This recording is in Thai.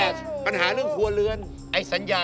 ไม่ใช่